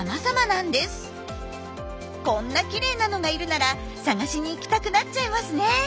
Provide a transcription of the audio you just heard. こんなきれいなのがいるなら探しに行きたくなっちゃいますね。